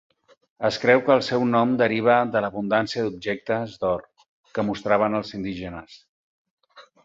Es creu que el seu nom deriva de l'abundància d'objectes d'or que mostraven els indígenes.